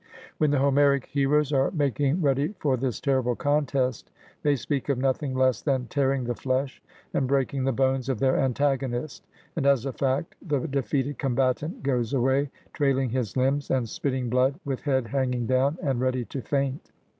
When the Homeric heroes are making ready for this terrible contest, they speak of nothing less than tearing the flesh and breaking the bones of their antago nist, and as a fact the defeated combatant goes away, trailing his limbs and spitting blood, with head hanging down, and ready to faint.